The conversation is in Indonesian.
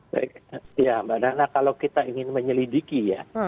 baik ya mbak nana kalau kita ingin menyelidiki ya